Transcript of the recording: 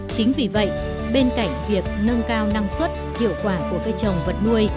chính vì vậy bên cạnh việc nâng cao năng suất hiệu quả của cây trồng vật nuôi